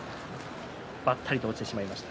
ばったりと落ちてしまいました。